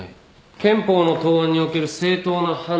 憲法の答案における正当な判断